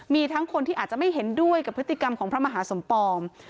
มีทั้งคนที่อาจจะไม่เห็นด้วยกับพฤติกรรมของพระมหาสมปอง